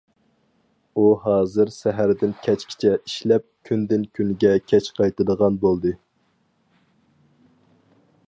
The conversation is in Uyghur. ئۇ ھازىر سەھەردىن كەچكىچە ئىشلەپ، كۈندىن-كۈنگە كەچ قايتىدىغان بولدى.